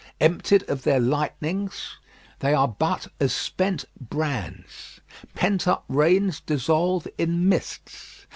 Emptied of their lightnings, they are but as spent brands. Pent up rains dissolve in mists.